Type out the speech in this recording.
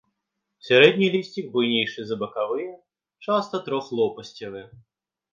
Сярэдні лісцік буйнейшы за бакавыя, часта трохлопасцевы.